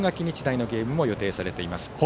日大のゲームも予定されています。